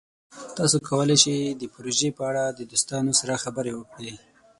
تاسو کولی شئ د پروژې په اړه د دوستانو سره خبرې وکړئ.